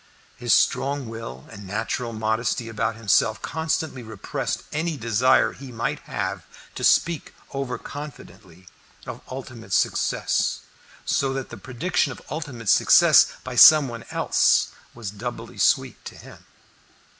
His strong will and natural modesty about himself constantly repressed any desire he might have to speak over confidently of ultimate success, so that the prediction of ultimate success by some one else was doubly sweet to him.